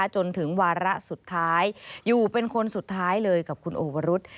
จนถึงวาระสุดท้ายอยู่เป็นคนสุดท้ายเลยกับคุณโอวรุษ